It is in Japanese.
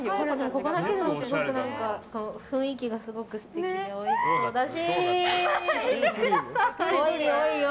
ここだけでも雰囲気がすごく素敵でおいしそうだし！